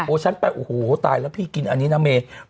ฉันไปโอ้โหตายแล้วพี่กินอันนี้นะเมย์